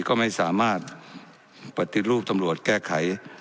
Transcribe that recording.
ก็ไม่สามารถปฏิรูปตำรวจแก้ไข